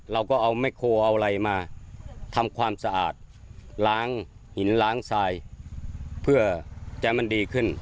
เราก็เอาแม่โคเอาอะไรมาทำความสะอาดล้างหินล้างทรายเพื่อจะให้มันดีขึ้น